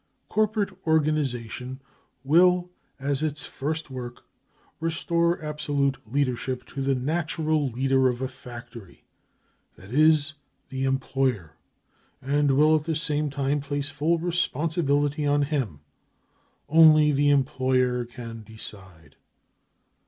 Corporate organisa tion will as its first work restore absolute leadership to the natural leader of a factory, that is, the employer (!), and will at the sasie time place full responsibility on him. ... Only the employer can decide.